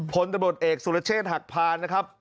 ผลตำรวจเอกสุรเชษฐ์หักพานนะครับ